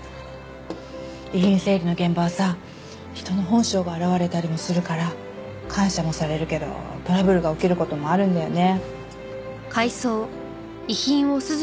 遺品整理の現場はさ人の本性が現れたりもするから感謝もされるけどトラブルが起きる事もあるんだよね。